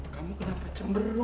kamu kenapa cember